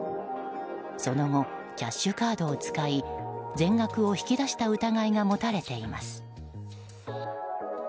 その後キャッシュカードを使い全額を引き出した疑いが持たれています。